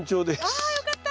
あよかった！